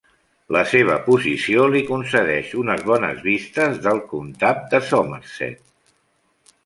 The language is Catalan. La seva posició li concedeix unes bones vistes del comtat de Somerset.